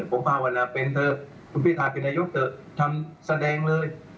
ผมภาวนาเป็นเธอคุณพี่ท่านพินายกเธอทำแสดงเลย